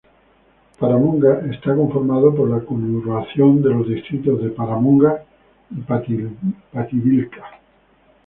Paramonga está conformado por la conurbación de los distritos de Paramonga y Pativilca.